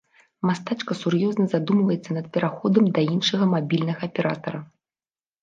Мастачка сур'ёзна задумваецца над пераходам да іншага мабільнага аператара.